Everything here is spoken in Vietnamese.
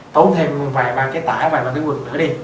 tốn thêm vài ba cái tả vài ba cái quần nữa đi